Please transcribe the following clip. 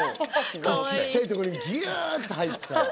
ちっちゃいところギュって入って。